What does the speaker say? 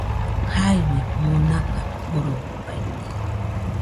Jaiue nomaka korobaite